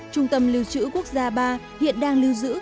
trung tâm lưu trữ quốc gia ba hiện đang lưu giữ